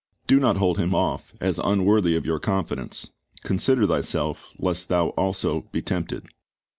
"' Do not hold him off as unworthy of your confidence. Consider "thyself, lest thou also be tempted."